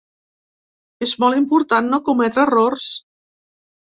És molt important no cometre errors.